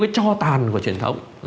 cái cho tàn của truyền thống